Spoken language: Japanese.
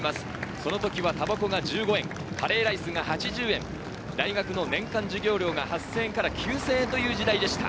その時はタバコが１５円、カレーライスが８０円、大学の年間授業料が８０００円から９０００円という時代でした。